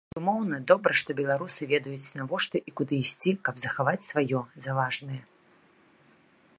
Невымоўна добра, што беларусы ведаюць, навошта і куды ісці, каб захаваць сваё, за важнае.